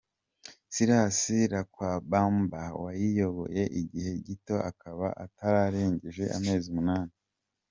Silas Lwakabamba wayiyoboye igihe gito akaba atararengeje amezi umunani.